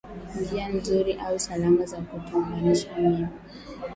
Njia nzuri au salama za kutungisha mimba